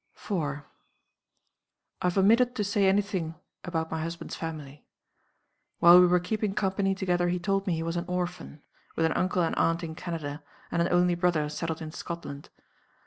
4. "I have omitted to say any thing about my husband's family. "While we were keeping company together he told me he was an orphan with an uncle and aunt in Canada, and an only brother settled in Scotland.